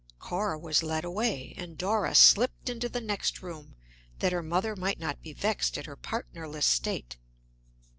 Cora was led away, and Dora slipped into the next room, that her mother might not be vexed at her partnerless state.